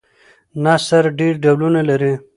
نثر ډېر ډولونه لري.